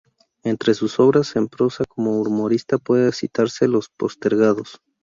Entre sus obras en prosa como humorista puede citarse "Los Postergados.